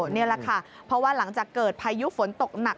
นี่แหละค่ะเพราะว่าหลังจากเกิดพายุฝนตกหนัก